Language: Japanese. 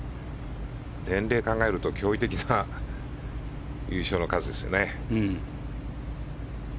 年齢を考えると驚異的な優勝の数ですよね。